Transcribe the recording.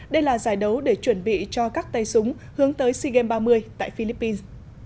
đây là giải đấu để chuẩn bị cho các tay súng hướng tới sea games ba mươi tại philippines